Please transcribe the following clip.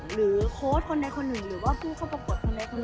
หรือโค้ดคนใดคนหนึ่งหรือว่าผู้เข้าประกวดคนใดคนหนึ่ง